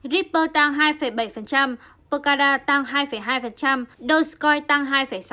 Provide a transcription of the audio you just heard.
ripple tăng hai bảy pocara tăng hai hai dogecoin tăng hai sáu